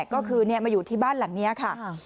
ก็คือมาอยู่ที่บ้านหลังนี้ค่ะ